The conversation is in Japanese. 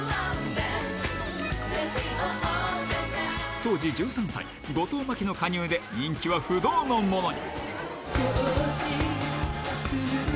当時１３歳、後藤真希の加入で、人気は不動のものに。